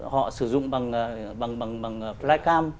họ sử dụng bằng flycam